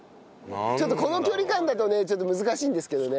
ちょっとこの距離感だとね難しいんですけどね。